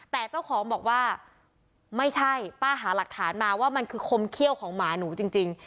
แต่เจ้าของบอกว่าไม่ใช่ป้าหาหลักฐานมาว่ามันคือคมเขี้ยวของหมาหนูจริง